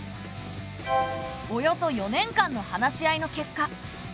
およそ４年間の話し合いの結果